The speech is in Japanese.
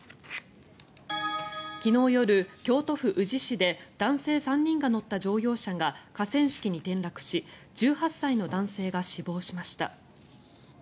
昨日夜、京都府宇治市で男性３人が乗った乗用車が河川敷に転落し１８歳の男性が死亡しました。